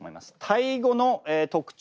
タイ語の特徴